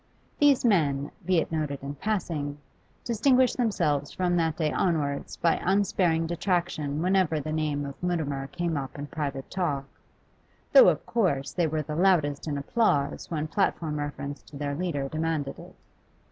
These men, be it noted in passing, distinguished themselves from that day onwards by unsparing detraction whenever the name of Mutimer came up in private talk, though, of course, they were the loudest in applause when platform reference to their leader demanded it.